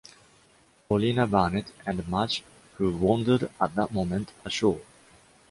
Paulina Barnett, and Madge, who wandered, at that moment, ashore.